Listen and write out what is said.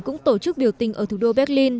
cũng tổ chức biểu tình ở thủ đô berlin